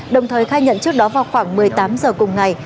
đồng thời khai nhận trước đó vào khoảng một mươi tám giờ cùng ngày